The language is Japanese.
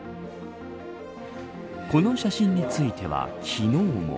この写真については昨日も。